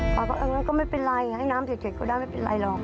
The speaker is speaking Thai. ป้าก็บอกอย่างนั้นก็ไม่เป็นไรให้น้ำเฉียดก็ได้ไม่เป็นไรหรอก